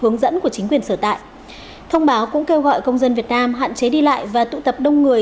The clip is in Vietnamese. hướng dẫn của chính quyền sở tại thông báo cũng kêu gọi công dân việt nam hạn chế đi lại và tụ tập đông người